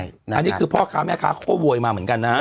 อันนี้คือพ่อค้าแม่ค้าเขาก็โวยมาเหมือนกันนะฮะ